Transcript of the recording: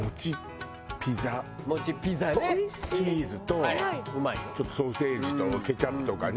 チーズとちょっとソーセージとケチャップとかね。